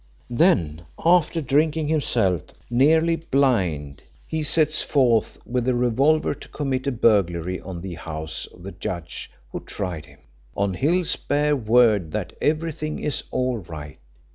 Then, after drinking himself nearly blind, he sets forth with a revolver to commit a burglary on the house of the judge who tried him, on Hill's bare word that everything is all right.